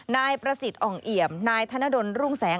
นายประสิทธ์องค์เอียมนายธนนะดนตร์รุ่งแสง